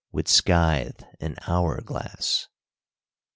With scythe and hour glass."